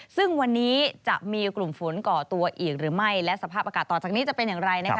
ซึ่งวันนี้จะมีกลุ่มฝนก่อตัวอีกหรือไม่และสภาพอากาศต่อจากนี้จะเป็นอย่างไรนะคะ